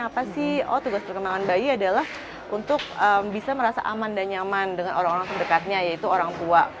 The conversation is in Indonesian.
apa sih oh tugas perkembangan bayi adalah untuk bisa merasa aman dan nyaman dengan orang orang terdekatnya yaitu orang tua